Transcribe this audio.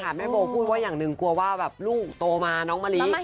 แม่โบพูดว่าอย่างหนึ่งกลัวว่าแบบลูกโตมาน้องมะลิ